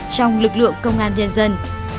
trong lực lượng công an đen dân